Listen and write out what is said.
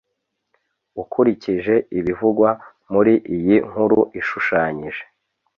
ukurikije ibivugwa muri iyi nkuru ishushanyije